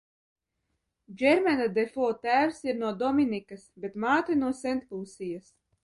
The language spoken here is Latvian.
Džermena Defo tēvs ir no Dominikas, bet māte no Sentlūsijas.